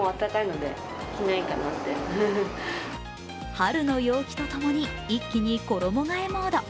春の陽気とともに一気に衣がえモード。